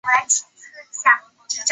该物种的模式产地在湖北宜昌。